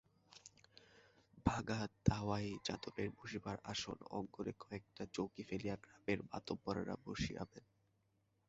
ভাঙা দাওয়ায় যাদবের বসিবার আসন অঙ্গনে কয়েকটা চৌকি ফেলিয়া গ্রামের মাতব্বরেরা বসিয়াবেন।